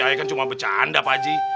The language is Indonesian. saya kan cuma bercanda pagi